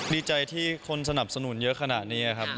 ดีใจที่คนสนับสนุนเยอะขนาดนี้ครับ